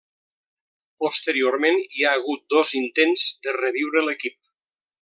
Posteriorment hi ha hagut dos intents de reviure l'equip.